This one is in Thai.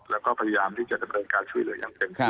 และก็พยายามจัดการการช่วยเหลืออย่างเต็มที่